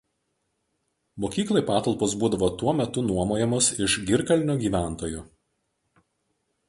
Mokyklai patalpos būdavo tuo metu nuomojamos iš Girkalnio gyventojų.